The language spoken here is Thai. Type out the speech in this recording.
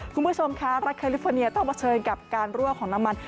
คุณผู้ชมคะรัฐแคลิฟอร์เนียต้องเผชิญกับการรั่วของน้ำมัน